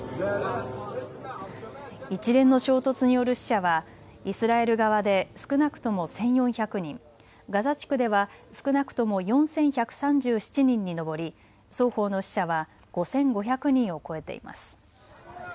一連の衝突による死者はイスラエル側で少なくとも１４００人、ガザ地区では少なくとも４１３７人に上り双方の死者は５５００人を超えています。